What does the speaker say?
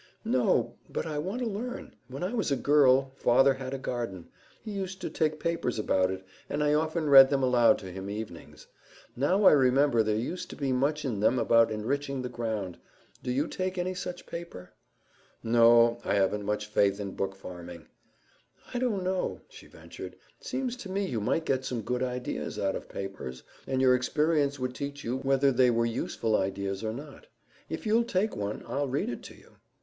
"No, but I want to learn. When I was a girl, father had a garden. He used to take papers about it, and I often read them aloud to him evenings. Now I remember there used to be much in them about enriching the ground. Do you take any such paper?" "No, I haven't much faith in book farming." "I don't know," she ventured. "Seems to me you might get some good ideas out of papers, and your experience would teach you whether they were useful ideas or not. If you'll take one, I'll read it to you."